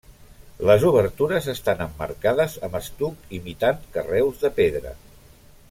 Les obertures estan emmarcades amb estuc imitant carreus de pedra.